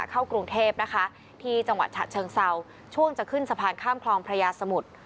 เข้ากรุงเทพนะคะที่จังหวัดฉะเชิงเซาช่วงจะขึ้นสะพานข้ามคลองพระยาสมุทร